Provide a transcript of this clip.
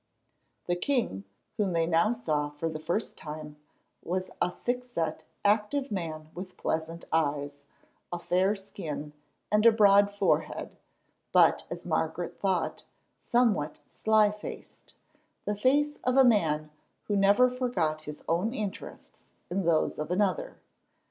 The king, whom they now saw for the first time, was a thickset, active man with pleasant eyes, a fair skin, and a broad forehead, but, as Margaret thought, somewhat sly faced—the face of a man who never forgot his own interests in those of another.